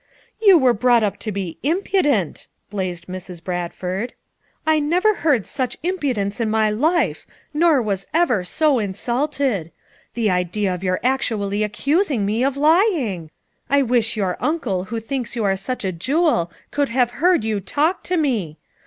"You were brought up to be impudent," blazed Mrs. Bradford. "I never heard such impudence in my life, nor was ever so insulted; the idea of your actually accusing me of lying! I wish your uncle who thinks you are such a jewel could have heard you talk to me